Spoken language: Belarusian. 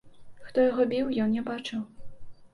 Хто яго біў, ён не бачыў.